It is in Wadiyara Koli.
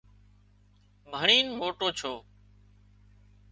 ڀڻينَ موٽو ڇو